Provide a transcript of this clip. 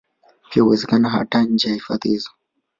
Pia huwekeza hata nje ya hifadhi hizo